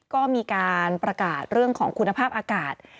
ก็มีการประกาศเรื่องของคุณภาพอากาศ